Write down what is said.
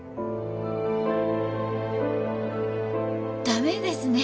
駄目ですね。